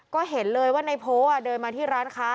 ก็เห็นเลยว่าในโพลเดินมาที่ร้านค้า